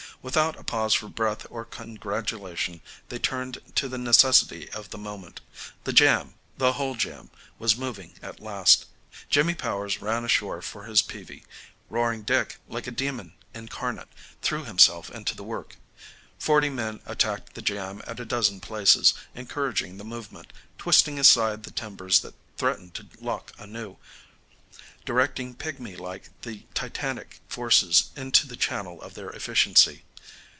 Without a pause for breath or congratulation they turned to the necessity of the moment. The jam, the whole jam, was moving at last. Jimmy Powers ran ashore for his peavie. Roaring Dick, like a demon incarnate, threw himself into the work. Forty men attacked the jam at a dozen places, encouraging the movement, twisting aside the timbers that threatened to lock anew, directing pigmy like the titanic forces into the channel of their efficiency.